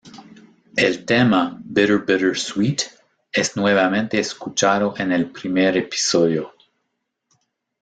El tema "Bitter Bitter Sweet", es nuevamente escuchado en el primer episodio.